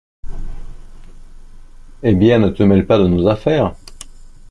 Eh bien, ne te mêle pas de nos affaires.